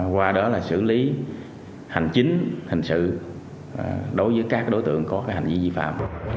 qua đó là xử lý hành chính hành sự đối với các đối tượng có hành vi dị phạm